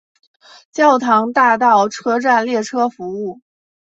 教堂大道车站列车服务。